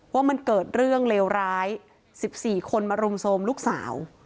ว่ามันเกิดเรื่องเลวร้าย๑๔คนมารุมโทรมลูกสาว